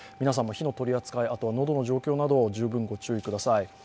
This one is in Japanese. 皆さんも火の取り扱い、喉の状況など、十分ご注意ください。